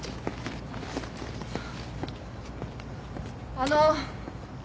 あの。